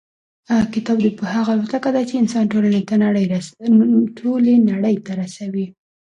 کتاب د پوهې هغه الوتکه ده چې انسان ټولې نړۍ ته رسوي.